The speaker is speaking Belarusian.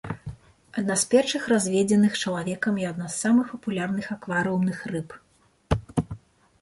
Адна з першых разведзеных чалавекам і адна з самых папулярных акварыумных рыб.